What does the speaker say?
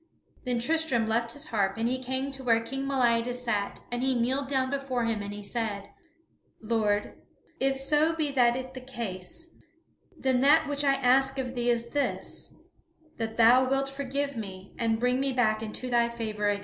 Then Tristram left his harp and he came to where King Meliadus sat, and he kneeled down before him and he said: "Lord, if so be that is the case, then that which I ask of thee is this: that thou wilt forgive me and bring me back into thy favor again."